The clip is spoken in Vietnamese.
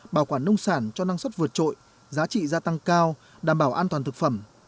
bảo quản nông sản cho năng suất vượt trội giá trị gia tăng cao đảm bảo an toàn thực phẩm